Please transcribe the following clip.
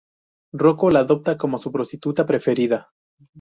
Rocco la adopta como su prostituta preferida.